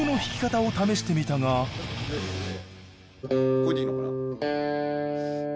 これでいいのかな？